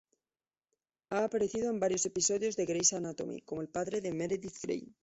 Ha aparecido en varios episodios de "Grey's Anatomy" como el padre de Meredith Grey.